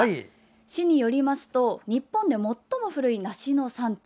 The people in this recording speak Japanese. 市によりますと日本で最も古い梨の産地。